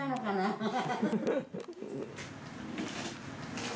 ハハハハ。